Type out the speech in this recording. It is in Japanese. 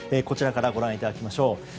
こちらからご覧いただきましょう。